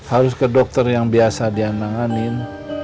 harus ke dokter yang biasa dia nanganin